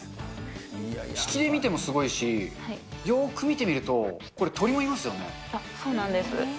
引きで見てもすごいし、よーく見てみると、これ、そうなんです。